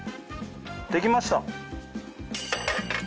できました。